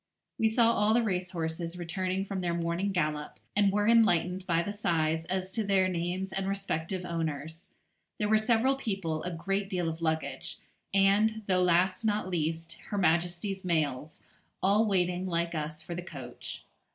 We saw all the racehorses returning from their morning gallop, and were enlightened by the syces as to their names and respective owners. There were several people, a great deal of luggage, and, though last not least, Her Majesty's mails, all waiting, like us, for the coach.